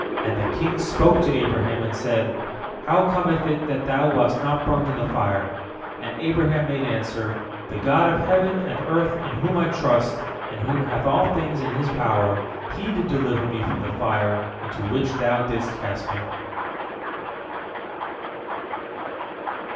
And the king spoke to Abraham, and said, "How cometh it that thou wast not burnt in the fire?" And Abraham made answer, "The God of heaven and earth in whom I trust, and who hath all things in His power, He did deliver me from the fire into which thou didst cast me."